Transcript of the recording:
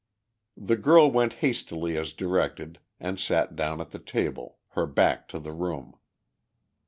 The girl went hastily as directed and sat down at the table, her back to the room.